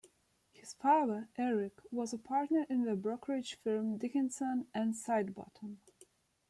His father, Eric, was a partner in the brokerage firm Dickinson and Sidebottom.